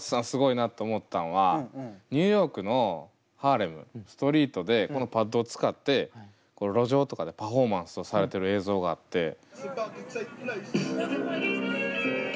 すごいなと思ったんはニューヨークのハーレムストリートでこのパッドを使って路上とかでパフォーマンスをされてる映像があって。